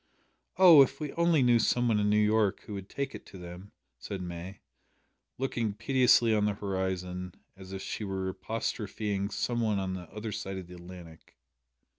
"Oh! if we only knew some one in New York who would take it to them," said May, looking piteously at the horizon, as if she were apostrophising some one on the other side of the Atlantic.